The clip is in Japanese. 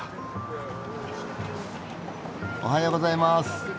おはようございます。